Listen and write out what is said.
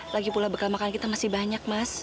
lagi pula bekal makanan kita masih banyak mas